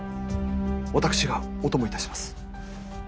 私がお供いたします。